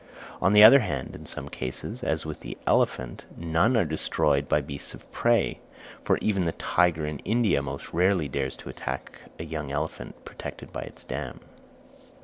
On the other hand, in some cases, as with the elephant, none are destroyed by beasts of prey; for even the tiger in India most rarely dares to attack a young elephant protected by its dam.